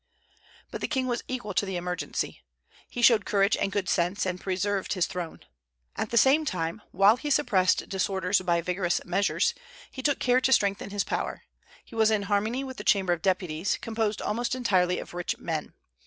But the king was equal to the emergency. He showed courage and good sense, and preserved his throne. At the same time, while he suppressed disorders by vigorous measures, he took care to strengthen his power. He was in harmony with the Chamber of Deputies, composed almost entirely of rich men.